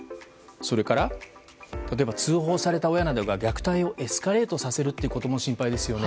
それから例えば通報された親などが虐待をエスカレートさせることも心配ですよね。